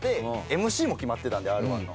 ＭＣも決まってたんでＲ−１の。